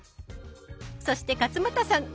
そして勝俣さん。